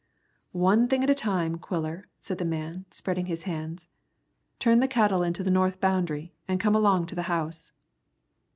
"One thing at a time, Quiller," said the man, spreading his hands. "Turn the cattle into the north boundary an' come along to the house."